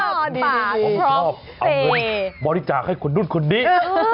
ผมชอบเอาเงินบริจาคให้คุณรุ่นคุณดี